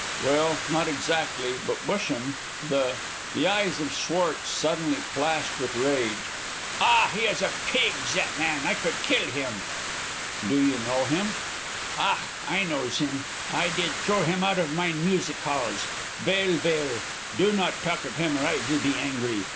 "Well, not exactly, but Busham, the " The eyes of Schwartz suddenly flashed with rage. "Ah, he is a pig, zat man. I could kill him." "Do you know him?" "Ach, I knows him. I did throw him out of mine music halls. Vell, vell, do not talk of him, or I vill be angry.